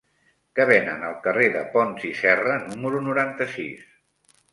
Què venen al carrer de Pons i Serra número noranta-sis?